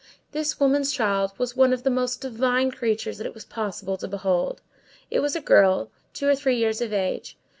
This woman's child was one of the most divine creatures that it is possible to behold. It was a girl, two or three years of age.